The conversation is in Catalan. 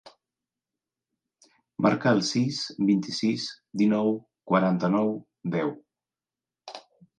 Marca el sis, vint-i-sis, dinou, quaranta-nou, deu.